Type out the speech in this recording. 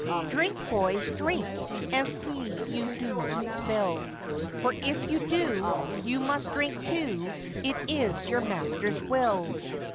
Drink, boys, drink, and see you do not spill, For if you do, you must drink two,—it is your master's will.